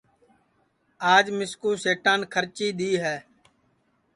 آج مِسکُُو سیٹان کھرچی دؔی ہے